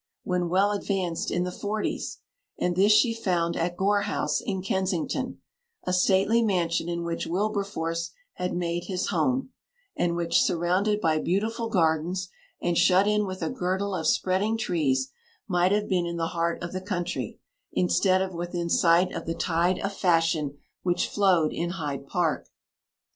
when well advanced in the forties and this she found at Gore House, in Kensington, a stately mansion in which Wilberforce had made his home, and which, surrounded by beautiful gardens and shut in with a girdle of spreading trees, might have been in the heart of the country, instead of within sight of the tide of fashion which flowed in Hyde Park.